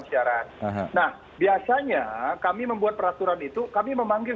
ya nanti saya akan ke bang andre terkait